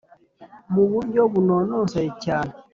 mu buryo bunonosoye cyane